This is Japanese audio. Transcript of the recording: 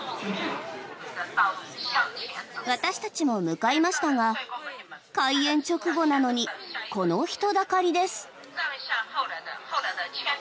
私たちも向かいましたが開園直後なのにこの人だかりです。